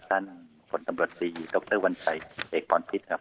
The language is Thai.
ท่านคนสำรวจสี่ดรวัญชัยเอกปอนภิษฐ์ครับ